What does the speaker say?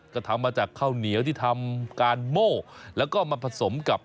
ก็ทำมาจากข้าวเหนียวที่ทำการโม่แล้วก็มาผสมกับ